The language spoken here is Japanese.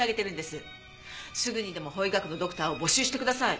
すぐにでも法医学のドクターを募集してください。